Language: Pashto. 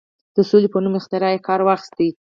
د وسلې په نوم اختراع یې کار واخیست.